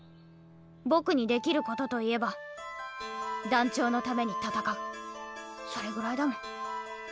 僕にできることといえば団長のために戦うそれぐらいだもん。